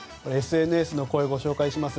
ＳＮＳの声をご紹介します。